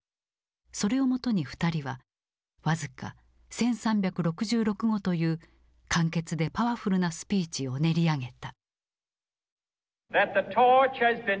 それをもとに２人は僅か１，３６６語という簡潔でパワフルなスピーチを練り上げた。